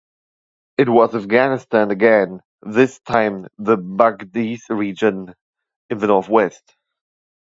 It was Afghanistan again, this time the Badghis region in the North-west.